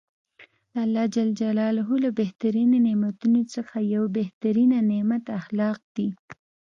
د الله ج له بهترینو نعمتونوڅخه یو بهترینه نعمت اخلاق دي .